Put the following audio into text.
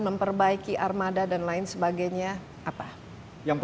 memperbaiki armada dan lain sebagainya apa